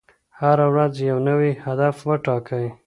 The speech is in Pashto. هره ورځ یو نوی هدف وټاکئ.